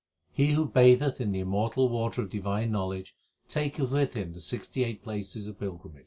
He who batheth in the immortal water of divine know ledge taketh with him the sixty eight places of pilgrima^